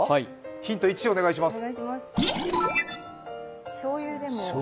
ヒント１、お願いします。